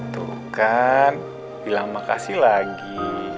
tuh kan bilang makasih lagi